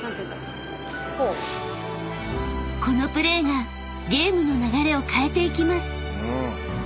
［このプレーがゲームの流れを変えていきます］